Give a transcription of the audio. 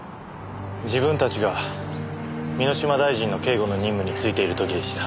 自分たちが箕島大臣の警護の任務についている時でした。